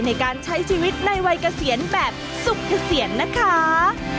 ในการใช้ชีวิตในวัยเกษียณแบบสุขเกษียณนะคะ